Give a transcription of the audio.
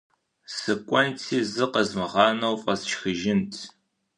Сыкӏуэнти зы къэзмыгъанэу фӏэсшхыжынт.